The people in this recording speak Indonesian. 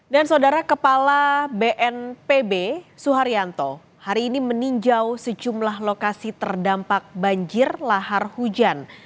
dan saudara kepala bnpb suharyanto hari ini meninjau sejumlah lokasi terdampak banjir lahar hujan